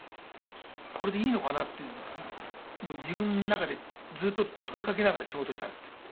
これでいいのかなって自分の中でずーっと問いかけながら仕事をしたんですって。